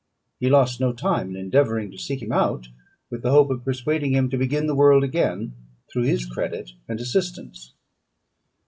He lost no time in endeavouring to seek him out, with the hope of persuading him to begin the world again through his credit and assistance.